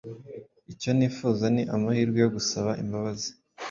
Icyo nifuza ni amahirwe yo gusaba imbabazi.